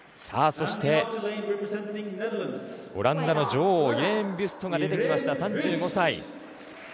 そしてオランダの女王イレーン・ビュストが出てきました、３５歳。